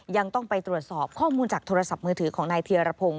ยังต้องไปตรวจสอบข้อมูลจากโทรศัพท์มือถือของนายเทียรพงศ